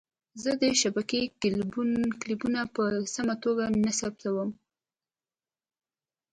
زه د شبکې کیبلونه په سمه توګه نصبووم.